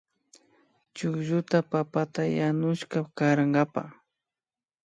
Chuklluta papata yanushpa karankapa